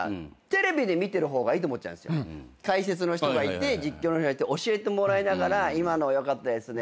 解説の人がいて実況の人がいて教えてもらいながら「今のはよかったですね」